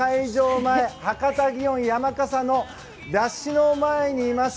前博多祇園山笠のだしの前にいます。